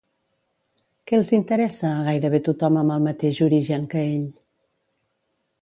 Què els interessa a gairebé tothom amb el mateix origen que ell?